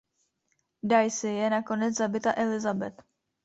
Daisy je nakonec zabita Elizabeth.